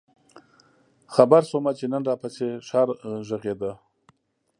خبـــــر شومه چې نن راپســـې ښار غـــــږېده؟